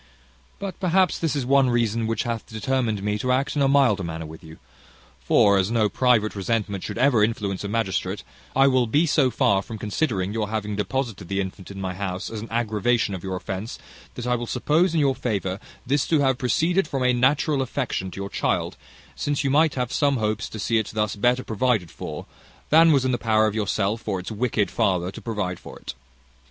"But, perhaps, this is one reason which hath determined me to act in a milder manner with you: for, as no private resentment should ever influence a magistrate, I will be so far from considering your having deposited the infant in my house as an aggravation of your offence, that I will suppose, in your favour, this to have proceeded from a natural affection to your child, since you might have some hopes to see it thus better provided for than was in the power of yourself, or its wicked father, to provide for it.